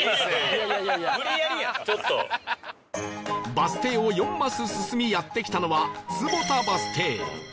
バス停を４マス進みやって来たのは坪田バス停